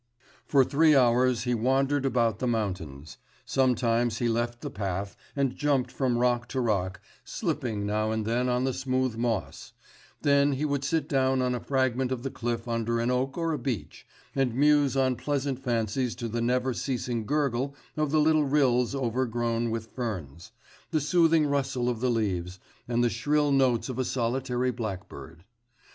For three hours he wandered about the mountains. Sometimes he left the path, and jumped from rock to rock, slipping now and then on the smooth moss; then he would sit down on a fragment of the cliff under an oak or a beech, and muse on pleasant fancies to the never ceasing gurgle of the little rills over grown with ferns, the soothing rustle of the leaves, and the shrill notes of a solitary blackbird.